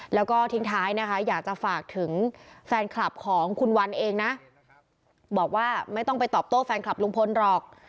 แล้วก็ทิ้งท้ายนะคะอยากจะฝากถึงแฟนคลับของคุณวันเองนะบอกว่าไม่ต้องไปตอบโต้แฟนคลับลุงพลหรอก